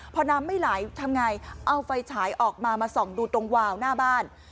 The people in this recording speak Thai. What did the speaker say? พอน้ำไม่ไหลทำไงเอาไฟฉายออกมามาส่องดูตรงวาวหน้าบ้าน